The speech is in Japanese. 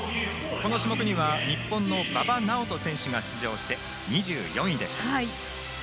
この種目には日本の馬場直人選手が出場して２４位でした。